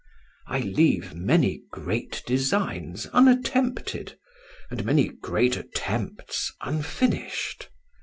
I leave many great designs unattempted, and many great attempts unfinished.